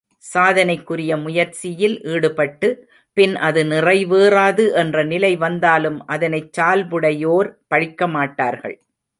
சாதனைக்குரிய முயற்சியில் ஈடுபட்டு, பின் அது நிறைவேறாது என்ற நிலை வந்தாலும் அதனைச் சால்புடையோர் பழிக்கமாட்டார்கள்.